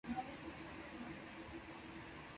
Hay diferentes formas de afinar el laúd árabe.